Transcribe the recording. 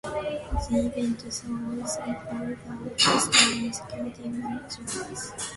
The event saw also for the first time security measures concerning the bridge stability.